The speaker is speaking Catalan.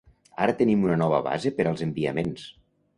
Ara tenim una nova base per als enviaments.